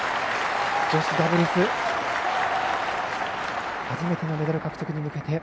女子ダブルス初めてのメダル獲得に向けて。